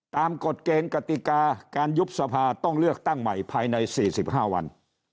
กฎเกณฑ์กติกาการยุบสภาต้องเลือกตั้งใหม่ภายใน๔๕วัน